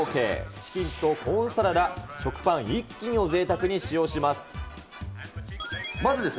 チキンとコーンサラダ、食パン１斤をぜいたくに使用します。